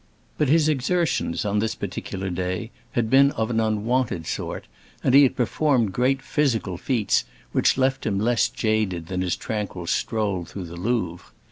But his exertions on this particular day had been of an unwonted sort, and he had performed great physical feats which left him less jaded than his tranquil stroll through the Louvre.